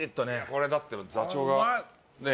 これだって座長がね